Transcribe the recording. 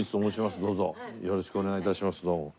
どうぞよろしくお願い致します。